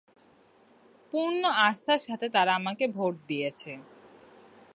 পূর্ণ আস্থার সাথে তারা আমাকে ভোট দিয়েছে।